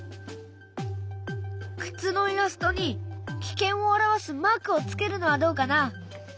靴のイラストに危険を表すマークをつけるのはどうかな？